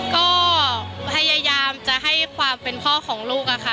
ก็พยายามจะให้ความเป็นพ่อของลูกอะค่ะ